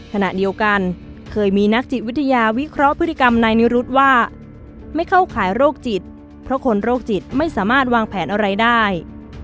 ขณะเดียวกันเคยมีนักจิตวิทยาวิเคราะห์พฤติกรรมนายนิรุธว่าไม่เข้าขายโรคจิตเพราะคนโรคจิตไม่สามารถวางแผนอะไรได้